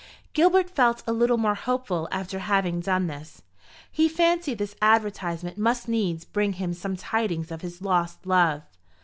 Gilbert felt a little more hopeful after having done this. He fancied this advertisement must needs bring him some tidings of his lost love.